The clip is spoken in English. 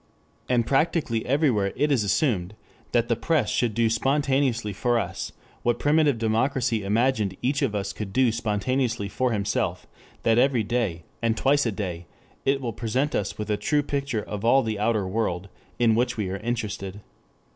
And practically everywhere it is assumed that the press should do spontaneously for us what primitive democracy imagined each of us could do spontaneously for himself, that every day and twice a day it will present us with a true picture of all the outer world in which we are interested.